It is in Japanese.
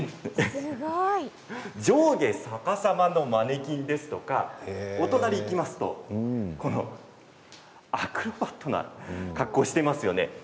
上下逆さまのマネキンですとかお隣にいきますとアクロバットな格好をしていますよね。